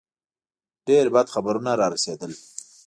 ډېر بد خبرونه را رسېدل.